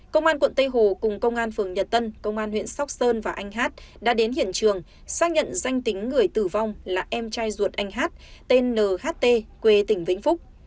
công an quận tây hồ cùng công an phường nhật tân công an huyện sóc sơn và anh hát đã đến hiện trường xác nhận danh tính người tử vong là em trai ruột anh hát tên nht quê tỉnh vĩnh phúc